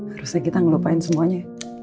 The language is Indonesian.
harusnya kita ngelupain semuanya